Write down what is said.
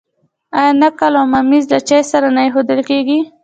آیا نقل او ممیز له چای سره نه ایښودل کیږي؟